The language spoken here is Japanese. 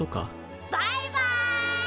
バイバイ！